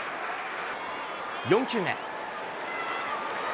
４球目。